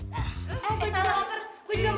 gue juga mau